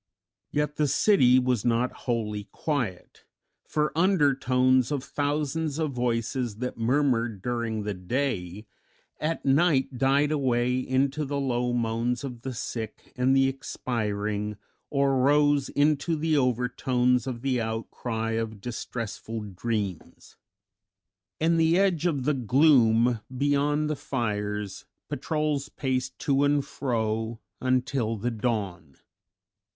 Yet the city was not wholly quiet, for undertones of thousands of voices that murmured during the day at night died away into the low moans of the sick and the expiring, or rose into the overtones of the outcry of distressful dreams. In the edge of the gloom beyond the fires, patrols paced to and fro until the dawn.